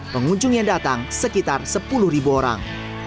pengunjung yang datang sekitar sepuluh orang